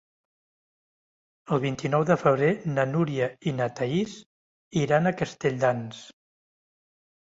El vint-i-nou de febrer na Núria i na Thaís iran a Castelldans.